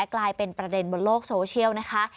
กลายเป็นประเด็นบนโลกโซเชียลนะคะ